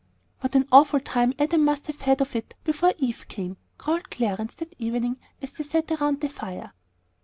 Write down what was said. "What an awful time Adam must have had of it before Eve came!" growled Clarence, that evening, as they sat around the fire.